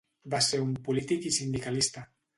Va ser un polític i sindicalista.